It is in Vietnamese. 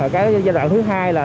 giai đoạn thứ hai là